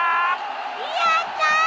やった！